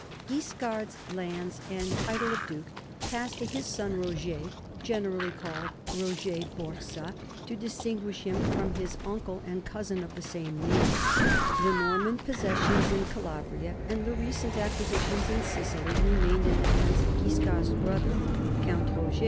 Guiscard 's lands and title of duke passed to his son Roger, generally called Roger Borsa to distinguish him from his uncle and cousin of the same name. The Norman possessions in Calabria and the recent acquisitions in Sicily remained in the hands of Guiscard's brother Count Roger, nomi 1 William of Malmesbury, Gesta Regum, p.